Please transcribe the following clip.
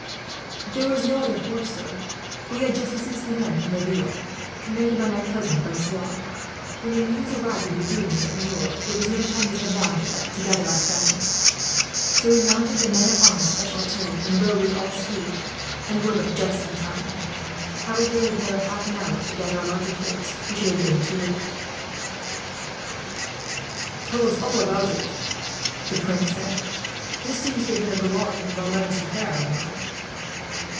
"There was no other force, sir. We had just the sixty men from Laville, commanded by my cousin Francois. When the news arrived of the doings at Niort, there was no time to send round to gather our friends; so we mounted the men at arms at the chateau and rode with all speed, and were but just in time. Had we delayed another half hour, to gather a larger force, we should have been too late." "Tell us all about it," the prince said. "This seems to have been a gallant and well managed affair, Admiral."